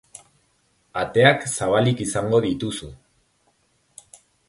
Ateak zabalik izango dituzu!